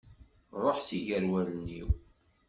Ruḥ si ger wallen-iw!